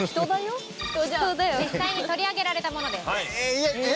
実際に取り上げられたものです。